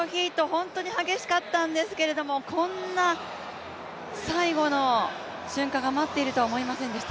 本当に激しかったんですけど、こんな最後の瞬間が待っているとは思いませんでした。